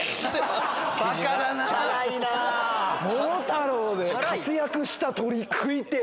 『桃太郎』で活躍した鳥食いてぇ。